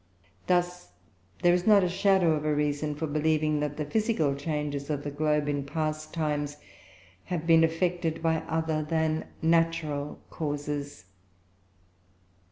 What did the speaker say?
Thus there is not a shadow of a reason for believing that the physical changes of the globe, in past times, have been effected by other than natural causes.